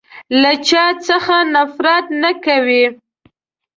له چا څخه نفرت نه کوی.